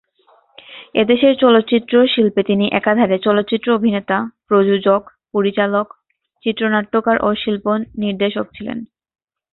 এ দেশের চলচ্চিত্র শিল্পে তিনি একাধারে চলচ্চিত্র অভিনেতা, প্রযোজক, পরিচালক, চিত্রনাট্যকার ও শিল্প নির্দেশক ছিলেন।